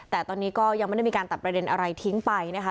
แต่ตอนนี้ก็ยังไม่ได้มีการตัดประเด็นอะไรทิ้งไปนะคะ